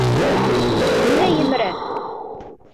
Ниңә емерә?